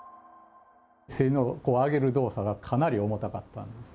背のこう上げる動作がかなり重たかったんです。